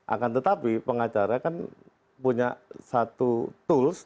akan tetapi pengacara kan punya satu tools